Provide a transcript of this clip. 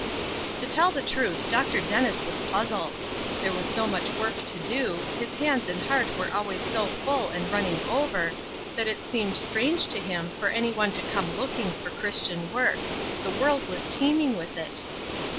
To tell the truth Dr. Dennis was puzzled. There was so much work to do, his hands and heart were always so full and running over, that it seemed strange to him for anyone to come looking for Christian work; the world was teeming with it.